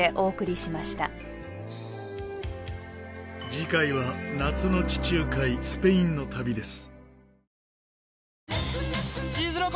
次回は夏の地中海スペインの旅です。